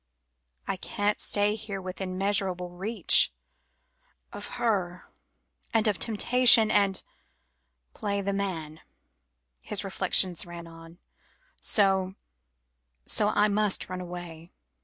"I can't stay here within measurable reach of her and of temptation, and play the man," his reflections ran on, "so so I must run away."